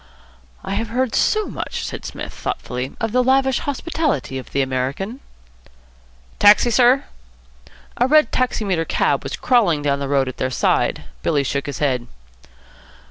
"I have heard so much," said Psmith, thoughtfully, "of the lavish hospitality of the American." "Taxi, sir?" A red taximeter cab was crawling down the road at their side. Billy shook his head.